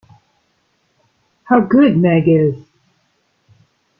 How good Meg is!